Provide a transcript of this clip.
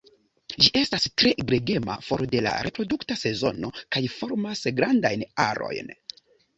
Ĝi estas tre gregema for de la reprodukta sezono kaj formas grandajn arojn.